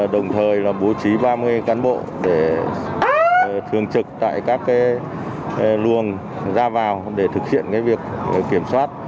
đồng thời là bố trí ba mươi cán bộ để thường trực tại các luồng ra vào để thực hiện việc kiểm soát